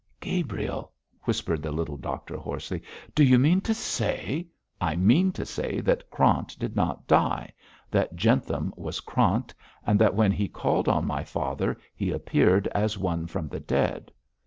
'Gabriel!' whispered the little doctor, hoarsely, 'do you mean to say ' 'I mean to say that Krant did not die, that Jentham was Krant, and that when he called on my father he appeared as one from the dead.